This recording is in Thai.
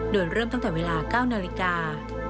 โดยเริ่มตั้งแต่เวลา๙นาฬิกา